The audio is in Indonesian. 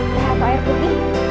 ada apa air putih